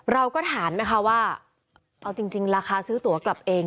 เราก็ถามไหมคะว่าเอาจริงราคาซื้อตัวกลับเอง